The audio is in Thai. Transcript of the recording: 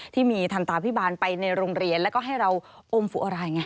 ที่มีทันตาพิบาลไปในโรงเรียนแล้วก็ให้เราอมฟูอะไรไง